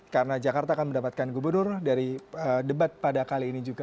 karena jakarta akan mendapatkan gubernur dari debat pada kali ini juga